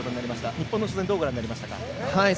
日本の初戦どうご覧になりましたか？